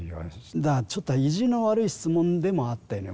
だからちょっと意地の悪い質問でもあったように思います。